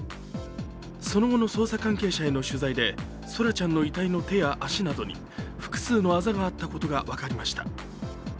その後の捜査関係者への取材で空来ちゃんの遺体の手や足などに複数のあざがあったことが分かりました。